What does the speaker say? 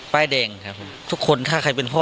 ป้ายแดงครับทุกคนถ้าใครเป็นพ่อ